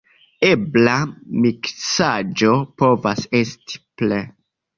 Ebla miksaĵo povas esti pl.